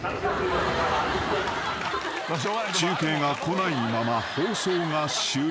［中継がこないまま放送が終了］